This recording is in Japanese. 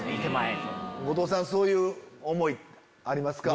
後藤さんそういう思いありますか？